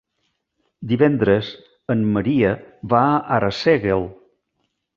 Divendres en Maria va a Arsèguel.